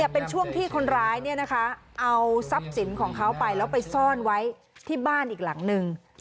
เป็นช่วงที่คนร้ายเอาทรัพย์สินของเขาไปแล้วไปซ่อนไว้ที่บ้านอีกหลังนึง